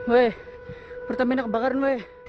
weh pertamina kebakaran weh